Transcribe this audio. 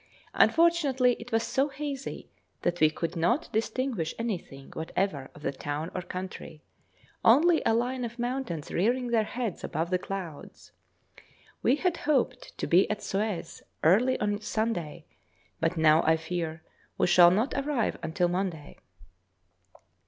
Unfortunately it was so hazy that we could not distinguish anything whatever of the town or country, only a line of mountains rearing their heads above the clouds. We had hoped to be at Suez early on Sunday, but now I fear we shall not arrive until Monday.